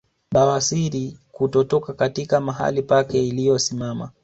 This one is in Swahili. Bawasiri kutotoka katika mahali pake iliyosimama